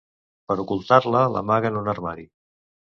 Per ocultar-la, l'amaga en un armari.